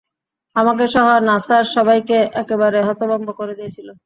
আমাকেসহ নাসার সবাইকে একেবারে হতভম্ব করে দিয়েছিলে!